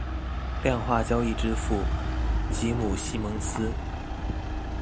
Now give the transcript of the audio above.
量化交易之父吉姆西蒙斯